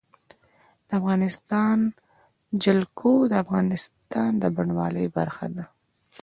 د افغانستان جلکو د افغانستان د بڼوالۍ برخه ده.